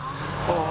ああ。